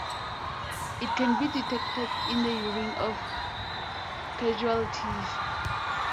It can be detected in the urine of casualties.